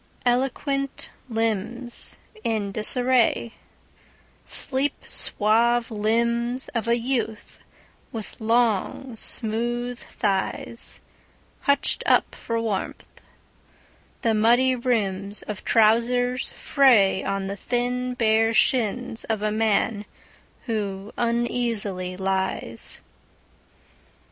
Eloquent limbsIn disarraySleep suave limbs of a youth with long, smooth thighsHutched up for warmth; the muddy rimsOf trousers frayOn the thin bare shins of a man who uneasily lies.